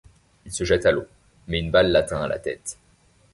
Il se jette à l’eau mais une balle l’atteint à la tête.